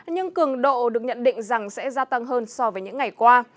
nhưng cường độ được nhận định rằng sẽ gia tăng hơn so với những ngày qua